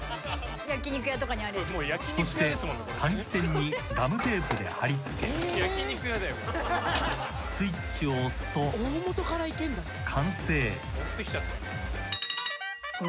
［そして換気扇にガムテープで貼り付けスイッチを押すと完成］え！